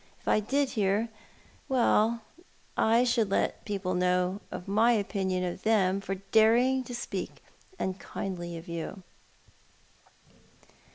If I did hear— well, I should let people know my opinion of them, for daring to speak unkindly of you.